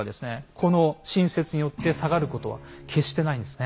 この新説によって下がることは決してないんですね。